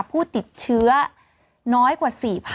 ผู้ติดเชื้อน้อยกว่า๔๐๐